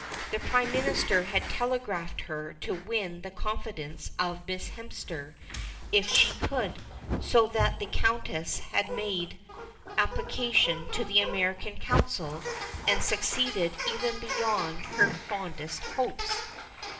The Prime Minister had telegraphed her to win the confidence of Miss Hemster if she could, and so the Countess had made application to the American Consul and succeeded even beyond her fondest hopes.